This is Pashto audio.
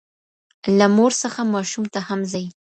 له مور څخه ماشوم ته هم ځي.